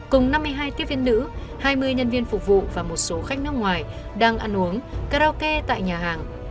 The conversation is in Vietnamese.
cùng năm mươi hai tiếp viên nữ hai mươi nhân viên phục vụ và một số khách nước ngoài đang ăn uống karaoke tại nhà hàng